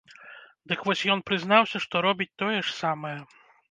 Дык вось ён прызнаўся, што робіць тое ж самае.